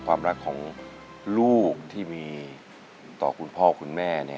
ความรักของลูกที่มีต่อคุณพ่อคุณแม่